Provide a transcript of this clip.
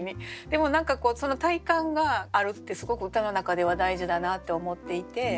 でも何か体感があるってすごく歌の中では大事だなって思っていて。